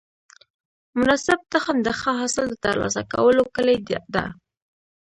مناسب تخم د ښه حاصل د ترلاسه کولو کلي ده.